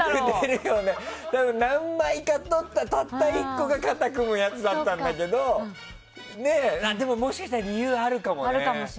何枚か撮ったたった１個が肩組むやつだったんだけどでも、もしかしたら理由あるかもね。